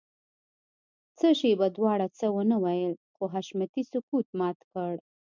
څه شېبه دواړو څه ونه ويل خو حشمتي سکوت مات کړ.